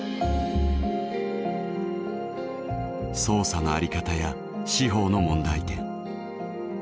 捜査のあり方や司法の問題点